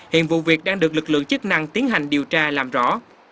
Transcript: hiện vụ việc đang được lực lượng chức năng tiến hành điều tra làm rõ